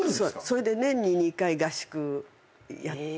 それで年に２回合宿やって。